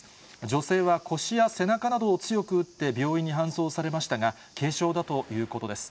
女性は腰や背中などを強く打って病院に搬送されましたが、軽傷だということです。